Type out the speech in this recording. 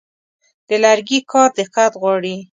د لرګي کار دقت غواړي.